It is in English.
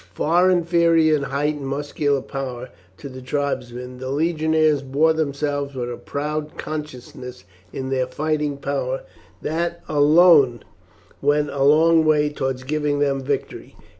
Far inferior in height and muscular power to the tribesmen, the legionaries bore themselves with a proud consciousness in their fighting power that alone went a long way towards giving them victory.